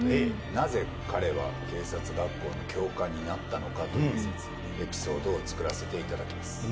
なぜ彼は警察学校の教官になったのかというエピソードを作らせていただきます。